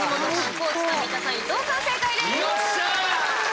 高地さん、三田さん、伊藤さん正解です。